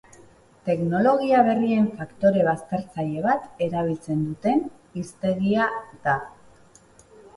Teknologia berrien faktore baztertzaile bat erabiltzen duten hiztegia da.